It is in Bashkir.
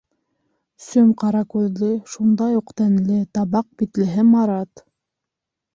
Сөм-ҡара күҙле, шундай уҡ тәнле, табаҡ битлеһе Марат.